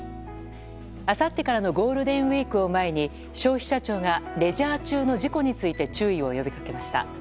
あさってからのゴールデンウィークを前に消費者庁がレジャー中の事故について注意を呼びかけました。